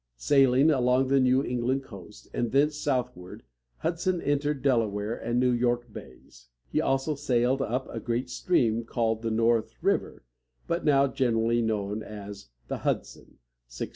Sailing along the New England coast, and thence southward, Hudson entered Del´a ware and New York bays. He also sailed up a great stream, then called the North River, but now generally known as the Hudson (1609).